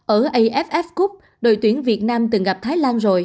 ở aff cup đội tuyển việt nam từng gặp thái lan rồi